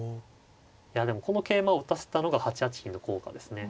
いやでもこの桂馬を打たせたのが８八金の効果ですね。